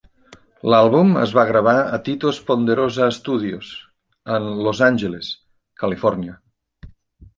L'àlbum es va gravar a Tito's Ponderosa Studios, en Los Angeles, Califòrnia.